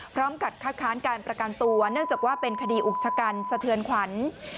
คัดค้านการประกันตัวเนื่องจากว่าเป็นคดีอุกชะกันสะเทือนขวัญ